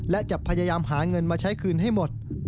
และจะพยายามหาเงินมาใช้คืนให้หมด